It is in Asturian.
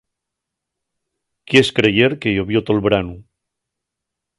Quies creyer que llovió tol branu.